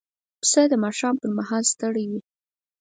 پسه د ماښام پر مهال ستړی وي.